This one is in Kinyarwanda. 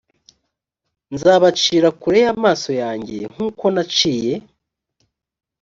nzabacira kure y amaso yanjye nk uko naciye